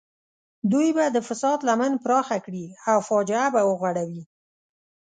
دوی به د فساد لمن پراخه کړي او فاجعه به وغوړوي.